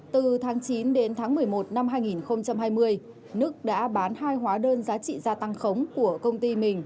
từ tháng chín đến tháng một mươi một năm hai nghìn hai mươi đức đã bán hai hóa đơn giá trị gia tăng khống của công ty mình